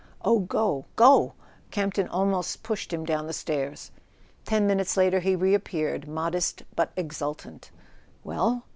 "Oh, go— go /" Campton almost pushed him down the stairs. Ten minutes later he reappeared, modest but exultant. "Well?"